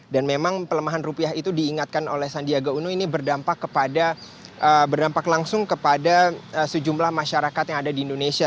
memang pelemahan rupiah itu diingatkan oleh sandiaga uno ini berdampak kepada berdampak langsung kepada sejumlah masyarakat yang ada di indonesia